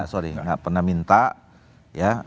sorry nggak pernah minta ya